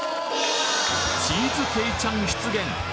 ・チーズ鶏ちゃん出現！！